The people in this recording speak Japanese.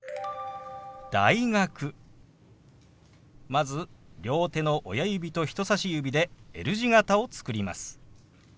まず両手の親指と人さし指でＬ字形を作ります。